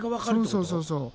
そうそうそうそう。